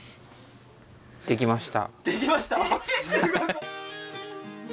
できました！？